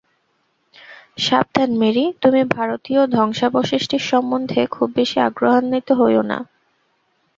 সাবধান মেরী, তুমি ভারতীয় ধ্বংসাবশেষটির সম্বন্ধে খুব বেশী আগ্রহান্বিত হয়ো না।